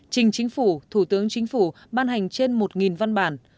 trình chính phủ thủ tướng chính phủ ban hành trên một văn bản